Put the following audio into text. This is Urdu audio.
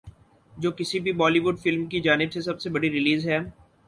جو کسی بھی بولی وڈ فلم کی جانب سے سب سے بڑی ریلیز ہے